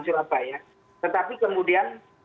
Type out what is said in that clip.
surabaya tetapi kemudian